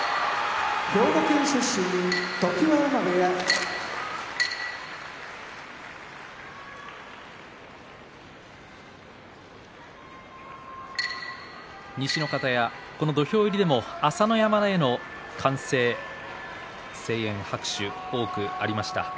常盤山部屋西の方屋この土俵入りでも朝乃山への歓声、声援、拍手多くありました。